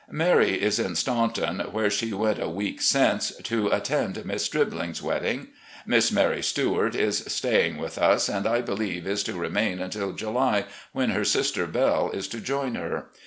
Mary is in Staunton, where she went a week since to attend Miss Stribling's wedding. ... Miss Mary Stewart is staying with us, and I believe is to remain until July, when her sister Belle is to join her.